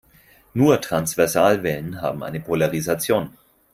Nur Transversalwellen haben eine Polarisation.